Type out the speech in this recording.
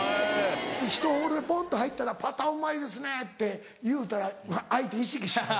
ひとホールでポンと入ったら「パターうまいですね」って言うたら相手意識しはる。